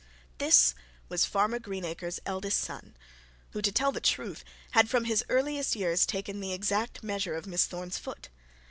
This was Farmer Greenacre's eldest son; who, to tell the truth, had from his earliest years taken the exact measure of Miss Thorne's foot.